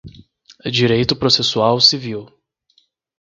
Direito processual civil